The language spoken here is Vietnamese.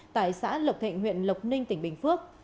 tại xã lộc thịnh huyện lộc ninh tỉnh bình phước